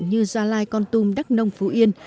như gia lai con tum đắk nông phú yên